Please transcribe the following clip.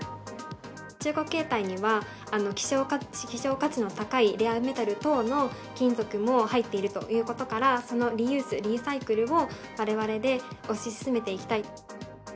中古携帯には、希少価値の高いレアメタル等の金属も入っているということから、そのリユース、リサイクルを、われわれで推し進めていきたい。